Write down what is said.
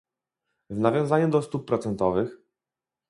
W nawiązaniu do stóp procentowych